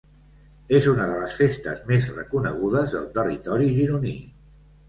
És una de les festes més reconegudes del territori gironí.